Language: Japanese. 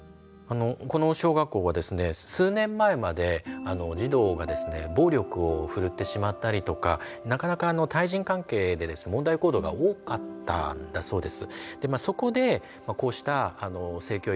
この小学校はですね数年前まで児童が暴力を振るってしまったりとかなかなか対人関係で問題行動が多かったんだそうです。